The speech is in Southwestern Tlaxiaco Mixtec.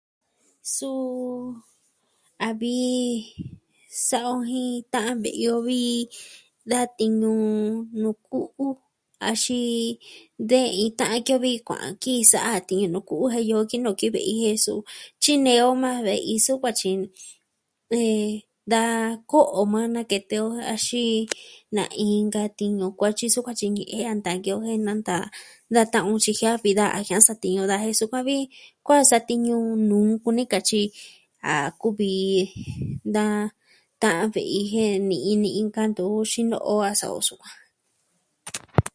Suu a vi sa'a o jin ta'an ve'i yo vii, da tiñu nuu ku'u. Axin... de iin ta'an ki o vi ji kua'an ki sa'a tiñu nuu ku'u jen yoo kinoo ki ve'i jen su. Tyinei on majan ve'i su kuatyi. Da ko'o yukuan nakete o axin... na inka tiñu kuatyi su vatyi ñe'e a ntaan ki o nanta da ta'an o tyi jiavi daja a jia'an satiñu daja jen sukuan vi kuaa satiñu nuu kuni katyi a kuvi da ta'an ve'i jen ni'i ni inka ntuvi xino'o a sa'a o sukuan.